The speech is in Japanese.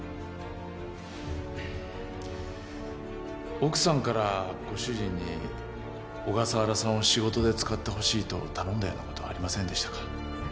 奥さんからご主人に小笠原さんを仕事で使ってほしいと頼んだようなことはありませんでしたか？